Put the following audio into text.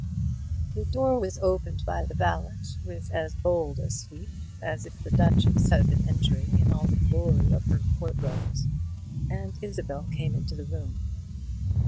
The door was opened by the valet, with as bold a sweep as if a duchess had been entering in all the glory of her court robes, and Isabel came into the room.